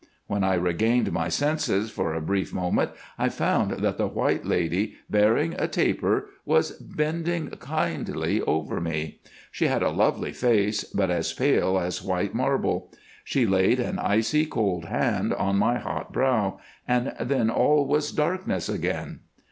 When I regained my senses for a brief moment, I found that the White Lady, bearing a taper, was bending kindly over me. She had a lovely face, but as pale as white marble. She laid an icy cold hand on my hot brow, and then all was darkness again.